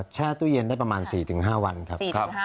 แช่ตู้เย็นได้ประมาณ๔๕วันครับ